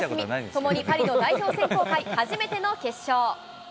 ともにパリの代表選考会、初めての決勝。